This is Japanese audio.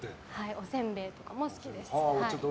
おせんべいとかも好きです。